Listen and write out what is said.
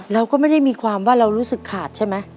เราก็ไม่ได้มีความว่าเรารู้สึกขาดใช่ไหม